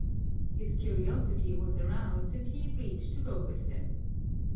His curiosity was aroused, and he agreed to go with them.